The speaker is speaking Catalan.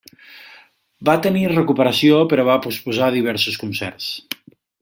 Va tenir recuperació però va posposar diversos concerts.